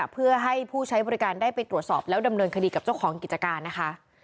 เพื่อให้ผู้ใช้บริการได้ไปตรวจสอบแล้วดำเนินคดีกับเจ้าของกิจการนะคะ